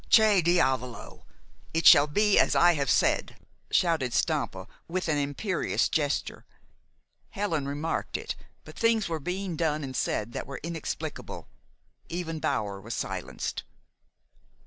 "Che diavolo! It shall be as I have said!" shouted Stampa, with an imperious gesture. Helen remarked it; but things were being done and said that were inexplicable. Even Bower was silenced.